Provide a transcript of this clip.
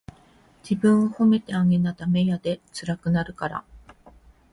自分を褒めてあげなダメやで、つらくなるから。